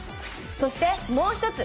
そしてもう一つ。